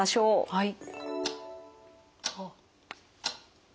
はい。